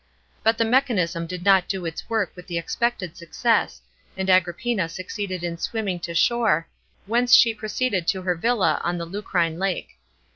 But the mechaniwm did not do its work with the expected success, a,ud Agrippina succeeded in swimming to shore, whence she pro ceeded to her villa on the Lucrine lake.